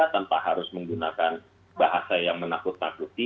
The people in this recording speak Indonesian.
tanpa harus menggunakan bahasa yang menakut nakuti